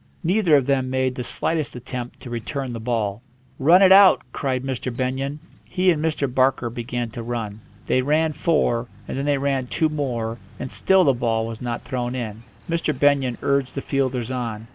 Neither of them made the slightest attempt to return the ball. "Run it out!" cried Mr. Benyon. He and Mr. Barker began to run. They ran four, and then they ran two more, and still the ball was not thrown in. Mr. Benyon urged the fielders on.